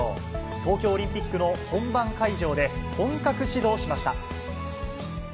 東京オリンピックの本番会場で、本格始動しました。